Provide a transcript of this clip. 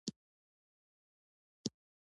د هغې کورنۍ د روسانو په بمبارۍ کې وژل شوې وه